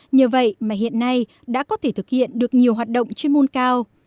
nhờ vậy mà hiện nay đã có thể thực hiện được nhiều hoạt động chuyên môn cao